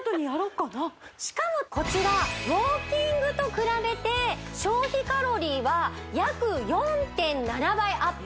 これしかもこちらウォーキングと比べて消費カロリーは約４．７倍アップ